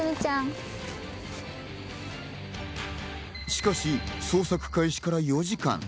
しかし、捜索開始から４時間。